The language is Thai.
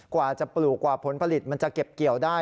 กว่าจะปลูกกว่าผลผลิตมันจะเก็บเกี่ยวได้